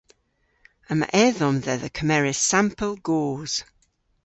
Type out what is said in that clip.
Yma edhom dhedha kemeres sampel goos.